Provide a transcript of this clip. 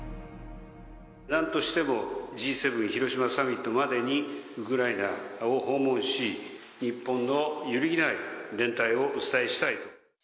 なんとしても、Ｇ７広島サミットまでにウクライナを訪問し、日本の揺るぎない連帯をお伝えしたいと。